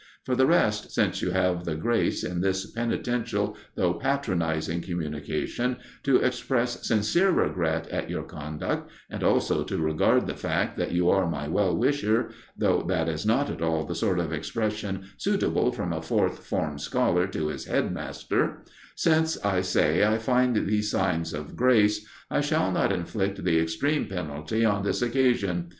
For the rest, since you have the grace, in this penitential though patronizing communication, to express sincere regret at your conduct, and also to record the fact that you are my 'Well wisher,' though that is not at all the sort of expression suitable from a Fourth Form scholar to his head master since, I say, I find these signs of grace, I shall not inflict the extreme penalty on this occasion.